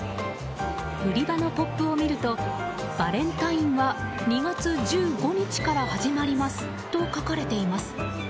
売り場のポップを見ると「バレンタインは２月１５日から始まります」と書かれています。